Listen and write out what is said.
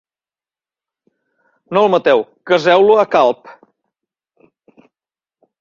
No el mateu. Caseu-lo a Calp!